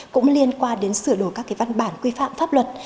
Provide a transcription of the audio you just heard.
cũng liên quan đến sửa đổi các văn bản quy phạm pháp luật